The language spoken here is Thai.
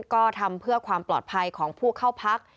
ก็ทำเพื่อความปลอดภัยของผู้เข้าพัก